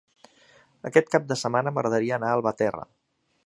Aquest cap de setmana m'agradaria anar a Albatera.